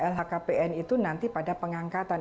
lhkpn itu nanti pada pengangkatan